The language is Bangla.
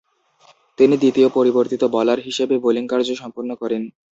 তিনি দ্বিতীয় পরিবর্তিত বোলার হিসেবে বোলিং কার্য সম্পন্ন করেন।